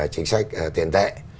chính sách tiền tệ